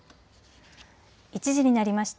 １時になりました。